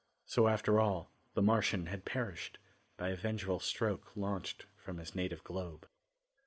So after all, the Martian had perished, by a vengeful stroke launched from his native globe.